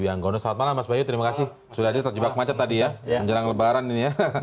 agar krijas si sekolah menengah ini